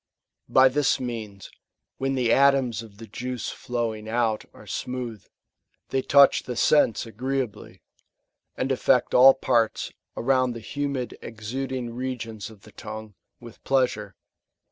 ^ By this means, when the atoms of the juice flowing out are smooth, they touch the sense agreeably, and affect all parts^ around the humid exuding regions of the tongue, with plea sure.